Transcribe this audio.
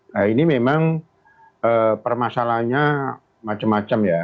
nah ini memang permasalahannya macam macam ya